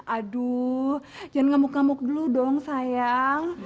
aduh jangan ngamuk ngamuk dulu dong sayang